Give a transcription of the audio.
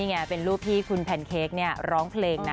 นี่ไงเป็นรูปที่คุณแพนเค้กเนี่ยร้องเพลงนะ